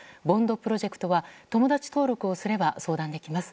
プロジェクトは友達登録をすれば相談できます。